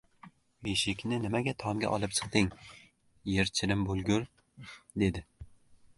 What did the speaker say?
— Beshikni nimaga tomga olib chiqding, yerchilim bo‘lgur? — dedi.